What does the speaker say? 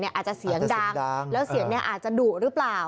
อาจจะเสียงดังแล้วเสียงนี้อาจจะดุหรือเปล่า